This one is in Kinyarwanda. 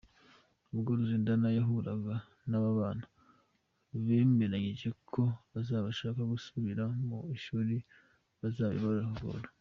Ubwo Ruzindana yahuraga n’aba bana, bemeranyije ko abazashaka gusubira mu ishuri bazabikora.